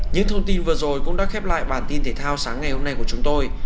những thông tin vừa rồi cũng đã khép lại bản tin thể thao sáng ngày hôm nay của chúng tôi